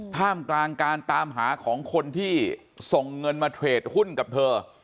ท่ามกลางการตามหาของคนที่ส่งเงินมาเทรดหุ้นกับเธอ